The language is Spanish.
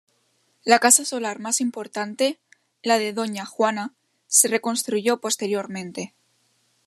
La casa solar más importante, la de "doña Juana", se reconstruyó posteriormente.